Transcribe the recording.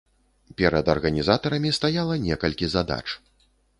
Перад арганізатарамі стаяла некалькі задач.